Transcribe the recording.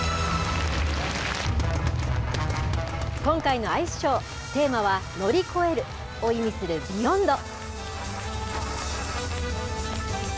今回のアイスショー、テーマは乗り越えるを意味するビヨンド。